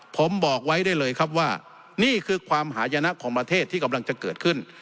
ผมบอกไว้ได้เลยครับว่านี่คือความหายนะของประเทศที่กำลังจะเกิดขึ้น